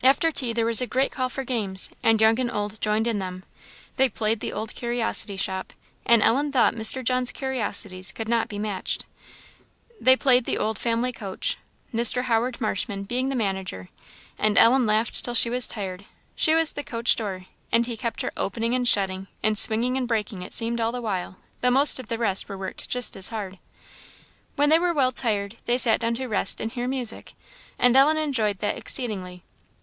After tea there was a great call for games, and young and old joined in them. They played the Old Curiosity Shop; and Ellen thought Mr. John's curiosities could not be matched. They played the Old Family Coach, Mr. Howard Marshman being the manager, and Ellen laughed till she was tired; she was the coach door, and he kept her opening and shutting, and swinging and breaking, it seemed all the while, though most of the rest were worked just as hard. When they were well tired, they sat down to rest and hear music, and Ellen enjoyed that exceedingly.